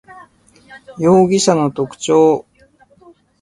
容疑者の特徴